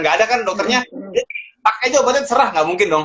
gak ada kan dokternya pakai aja obatnya serah nggak mungkin dong